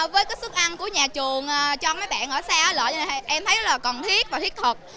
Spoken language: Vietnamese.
với cái sức ăn của nhà trường cho mấy bạn ở xa ở lợi em thấy là cần thiết và thiết thực